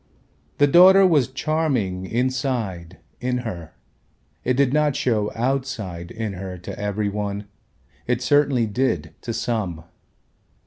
The daughter was charming inside in her, it did not show outside in her to every one, it certainly did to some.